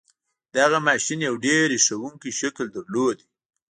دغه ماشين يو ډېر هیښوونکی شکل درلود.